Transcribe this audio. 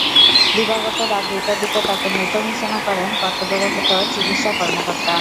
দিবাগত রাত দুইটার দিকে তাঁকে মৃত ঘোষণা করেন কর্তব্যরত চিকিৎসা কর্মকর্তা।